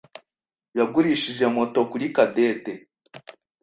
yagurishije moto kuri Cadette.